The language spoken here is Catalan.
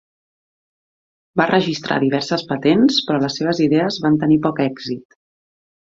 Va registrar diverses patents, però les seves idees van tenir poc èxit.